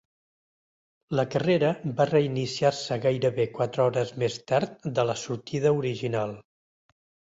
La carrera va reiniciar-se gairebé quatre hores més tard de la sortida original.